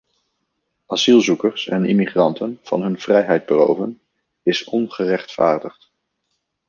Asielzoekers en immigranten van hun vrijheid beroven is ongerechtvaardigd.